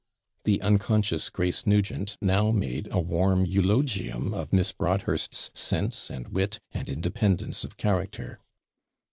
The unconscious Grace Nugent now made a warm eulogium of Miss Broadhurst's sense, and wit, and independence of character.